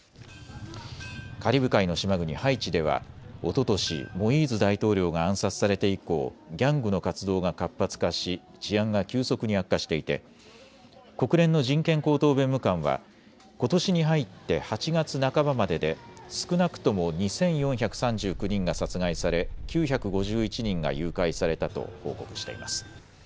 カリブ海の島国ハイチではおととし、モイーズ大統領が暗殺されて以降、ギャングの活動が活発化し治安が急速に悪化していて国連の人権高等弁務官はことしに入って８月半ばまでで少なくとも２４３９人が殺害され９５１人が誘拐されたと報告しています。